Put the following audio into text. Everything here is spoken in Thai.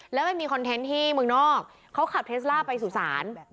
แล้วมันมีคอนเทนต์ที่เมืองนอกเขาขับเทสล่าไปสู่ศาล